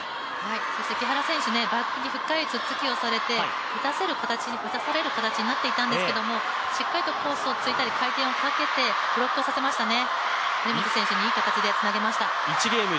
そして木原選手、バックに深いツッツキをされて打たされる形になっていたんですけれども、しっかりとコースを突いたり、回転をかけてブロックをさせましたね。